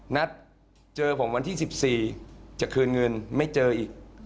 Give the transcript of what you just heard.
นัดเจอผมวันที่๑๔จะคืนเงินไม่เจออีก